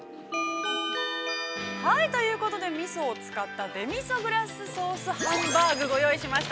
◆ということで、みそを使ったでデミソグラスソースハンバーグご用意しました。